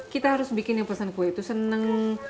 kita harus bikin yang pesan kue itu seneng